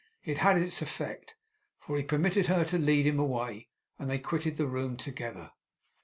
It had its effect, for he permitted her to lead him away; and they quitted the room together.